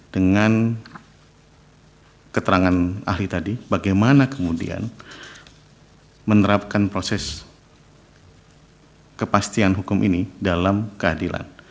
dengan keterangan ahli tadi bagaimana kemudian menerapkan proses kepastian hukum ini dalam keadilan